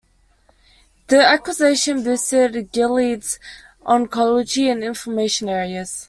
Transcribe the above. The acquisition boosted Gilead's oncology and inflammation areas.